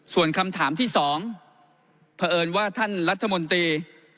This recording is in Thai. ส่วนคำถามที่๒เผอิญว่าท่านรัฐมนตรี